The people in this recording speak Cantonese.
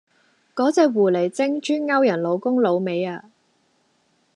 個隻狐狸精專勾人老公老尾呀！